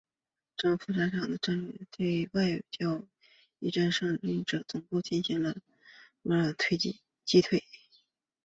征服沙姆阵线对伊德利卜省郊区一处圣战者军总部的进攻被沙姆军团击退。